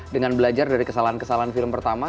dengan belajar dari kesalahan kesalahan film pertama